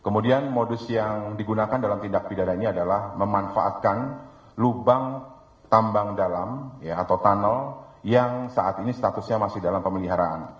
kemudian modus yang digunakan dalam tindak pidana ini adalah memanfaatkan lubang tambang dalam atau tunnel yang saat ini statusnya masih dalam pemeliharaan